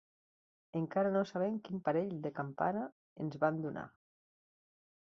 Encara no sabem quin parell de campana ens van donar.